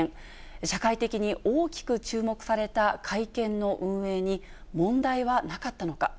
社会的に大きく注目された会見の運営に問題はなかったのか。